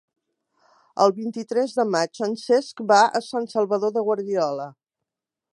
El vint-i-tres de maig en Cesc va a Sant Salvador de Guardiola.